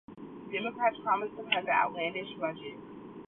Democrats promised to cut the outlandish budget.